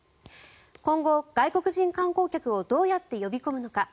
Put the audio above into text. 今後、外国人観光客をどうやって呼び込むのか。